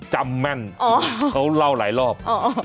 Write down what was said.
จำแม่นเขาเล่าหลายรอบ